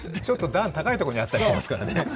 ちょっと段が高いところにあったりしますからね。